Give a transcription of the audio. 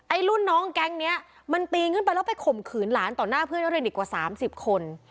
รุ่นน้องแก๊งนี้มันปีนขึ้นไปแล้วไปข่มขืนหลานต่อหน้าเพื่อนนักเรียนอีกกว่า๓๐คน